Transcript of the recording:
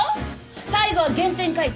最後は原点回帰。